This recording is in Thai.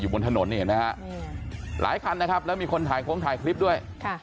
บนถนนนี่เห็นไหมฮะหลายคันนะครับแล้วมีคนถ่ายโค้งถ่ายคลิปด้วย